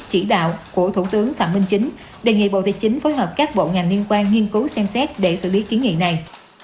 chỉ đạo của thủ tướng phạm minh chính đề nghị bộ tài chính phối hợp các bộ ngành liên quan nghiên cứu xem xét để xử lý kiến nghị này